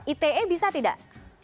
ite bisa tidak